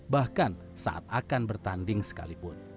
bahkan saat akan bertanding sekalipun